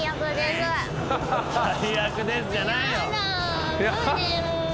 「最悪です」じゃないよ。